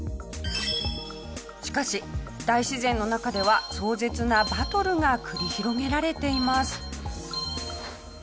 しかし大自然の中では壮絶なバトルが繰り広げられています。